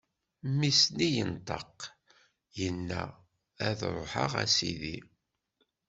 Mmi-s-nni yenṭeq, inna: Ad ṛuḥeɣ, a sidi!